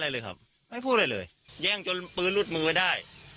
ไม่อะไรเลยครับไม่พูดอะไรเลยแย่งจนปืนรุดมือได้